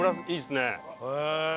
へえ！